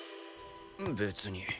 別に。